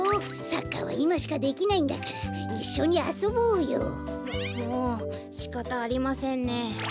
サッカーはいましかできないんだからいっしょにあそぼうよ。ももうしかたありませんね。